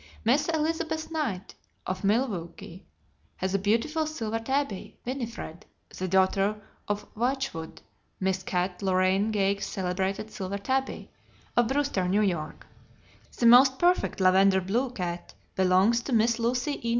Miss Elizabeth Knight, of Milwaukee, has a beautiful silver tabby, Winifred, the daughter of Whychwood, Miss Kate Loraine Gage's celebrated silver tabby, of Brewster, N.Y. The most perfect "lavender blue" cat belongs to Miss Lucy E.